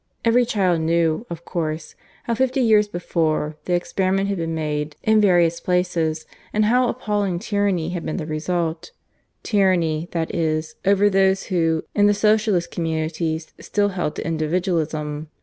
Every child knew, of course, how fifty years before the experiment had been made in various places, and how appalling tyranny had been the result tyranny, that is, over those who, in the Socialist communities, still held to Individualism.